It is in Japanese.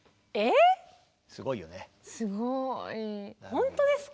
本当ですか。